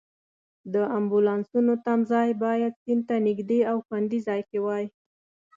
د امبولانسونو تمځای باید سیند ته نږدې او خوندي ځای کې وای.